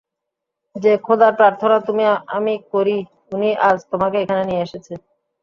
যে খোদার প্রার্থনা তুমি আমি করি উনিই আজ তোমাকে এখানে নিয়ে এসেছে।